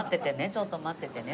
ちょっと待っててね。